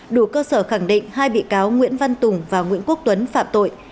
đủ cơ sở khẳng định hai bị cáo nguyễn văn tùng và nguyễn quốc tuấn phạm tội